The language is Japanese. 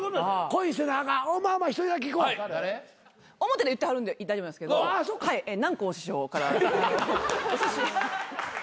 表で言ってはるんで大丈夫なんですけど南光師匠からおすし。